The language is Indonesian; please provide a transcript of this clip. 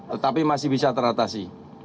tetapi masih bisa teratasi